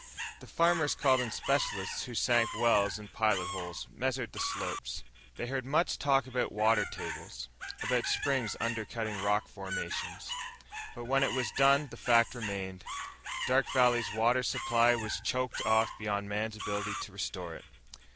The farmers called in specialists who sank wells and pilot holes, measured the slopes. They heard much talk about water tables, about springs undercutting rock formations. But when it was done the fact remained: Dark Valley's water supply was choked off beyond man's ability to restore it.